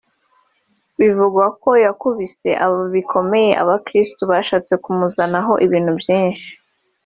bivugwa ko yakubise bikomeye abakristo bashatse kumuzanaho ibintu byinshi